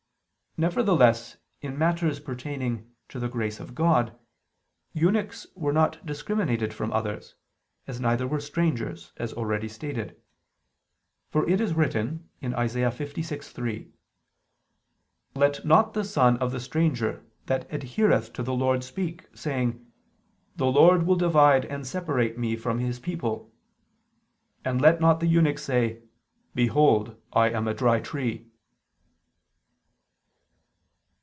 Nevertheless, in matters pertaining to the grace of God, eunuchs were not discriminated from others, as neither were strangers, as already stated: for it is written (Isa. 56:3): "Let not the son of the stranger that adhereth to the Lord speak, saying: The Lord will divide and separate me from His people. And let not the eunuch say: Behold I am a dry tree."